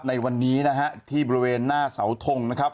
ในวันนี้นะฮะที่บริเวณหน้าเสาทงนะครับ